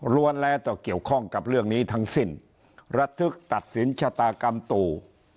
แล้วต่อเกี่ยวข้องกับเรื่องนี้ทั้งสิ้นระทึกตัดสินชะตากรรมตู่